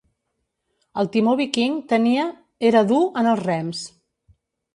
El timó viking tenia era dur en els rems.